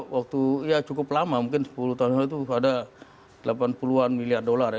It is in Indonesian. waktu ya cukup lama mungkin sepuluh tahun lalu itu ada delapan puluh an miliar dolar ya